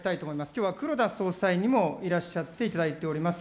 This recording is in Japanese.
きょうは黒田総裁にもいらっしゃっていただいております。